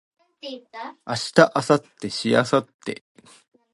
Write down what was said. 明日明後日しあさって